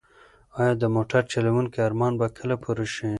ایا د موټر چلونکي ارمان به کله پوره شي؟